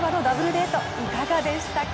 デートいかがでしたか。